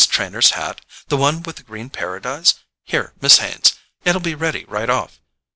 Trenor's hat? The one with the green Paradise? Here, Miss Haines—it'll be ready right off....